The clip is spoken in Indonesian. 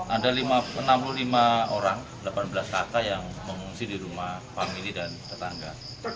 ada enam puluh lima orang delapan belas kakak yang mengungsi di rumah famili dan tetangga